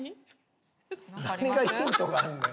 何がヒントがあんねん。